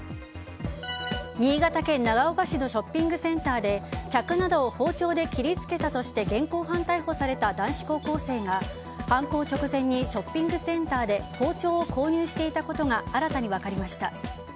新潟県長岡市のショッピングセンターで客などを包丁で切り付けたとして現行犯逮捕された男子高校生が、犯行直前にショッピングセンターで包丁を購入していたことが新たに分かりました。